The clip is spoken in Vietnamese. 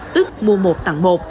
tức mua một tặng một